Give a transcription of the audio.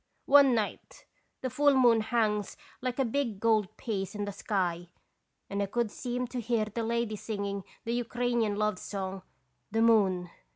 One night the full moon hangs like a big gold piece in the sky, and I could seem to hear the lady singing the Ukrainian love song, * The Moon.'